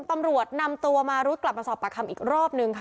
ตำรวจนำตัวมารุดกลับมาสอบปากคำอีกรอบนึงค่ะ